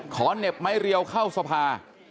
เหน็บไม้เรียวเข้าสภา